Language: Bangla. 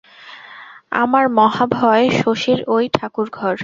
আমার মহাভয় শশীর ঐ ঠাকুরঘর।